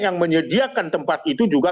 yang menyediakan tempat itu juga